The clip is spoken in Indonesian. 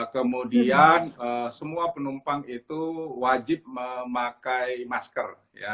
kemudian semua penumpang itu wajib memakai masker